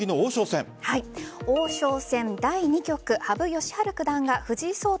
王将戦第２局羽生善治九段が藤井聡太